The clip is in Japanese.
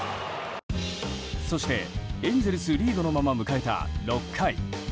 そして、エンゼルスリードのまま迎えた６回。